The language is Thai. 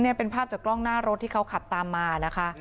นี่เป็นภาพจากกล้องหน้ารถที่เขาขับตามมานะคะ